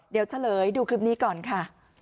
เดี๋ยวเฉลยดูคลิปนี้ก่อนค่ะ